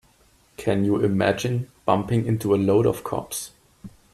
Can you imagine bumping into a load of cops?